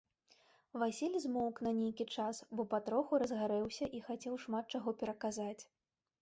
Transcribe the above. Васіль змоўк на нейкі час, бо патроху разгарэўся і хацеў шмат чаго пераказаць.